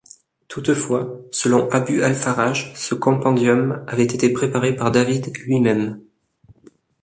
Toutefois, selon Abu al-Faraj, ce compendium avait été préparé par David lui-même.